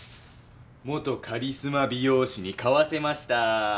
元カリスマ美容師に買わせました。